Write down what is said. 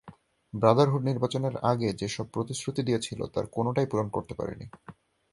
Brotherhood নির্বাচনের আগে যেসব প্রতিশ্রুতি দিয়েছিল, তার কোনোটাই পূরণ করতে পারেনি।